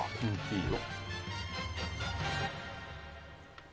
いいよ。